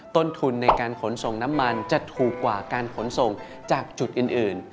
ต้นทุนในการขนส่งน้ำมันจะถูกกว่าการขนส่งจากจุดอื่น